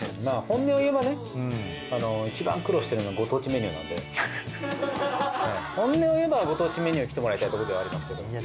まあ本音を言えばね一番苦労してるのご当地メニューなんで本音を言えばご当地メニューきてもらいたいとこではありますけど。